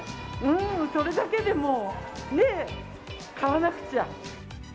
それだけで、もうね、買わなくちゃ。